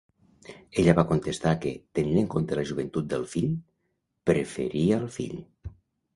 Ella va contestar que, tenint en compte la joventut del fill, preferia el fill.